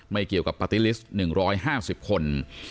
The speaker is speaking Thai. ไม่เกี่ยวกับปฏิลิสต์๑๕๐คน